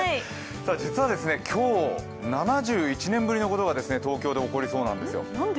実は今日、７１年ぶりのことが東京で起こりそうなんですよ。